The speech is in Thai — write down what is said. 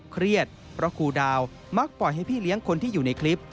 เครียดเพราะครูดาวมักปล่อยให้พี่เลี้ยงคนที่อยู่ในคลิป